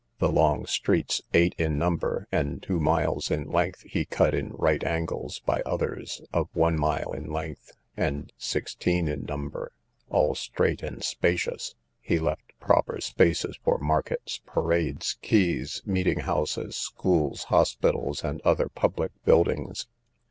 The long streets, eight in number, and two miles in length, he cut in right angles by others of one mile in length, and sixteen in number, all straight and spacious. He left proper spaces for markets, parades, quays, meeting houses, schools, hospitals, and other public buildings.